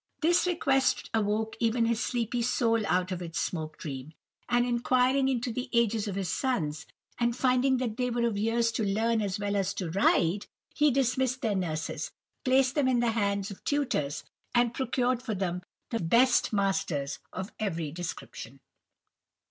This request awoke even his sleepy soul out of its smoke dream, and inquiring into the ages of his sons, and finding that they were of years to learn as well as to ride, he dismissed their nurses, placed them in the hands of tutors, and procured for them the best masters of every description.